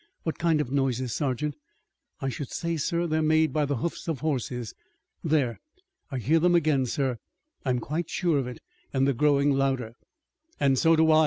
"What kind of noises, sergeant?" "I should say, sir, that they're made by the hoofs of horses. There, I hear them again, sir. I'm quite sure of it, and they're growing louder!" "And so do I!"